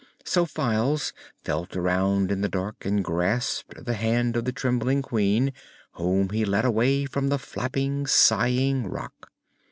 So Files felt around in the dark and grasped the hand of the trembling Queen, whom he led away from the flapping, sighing Rak.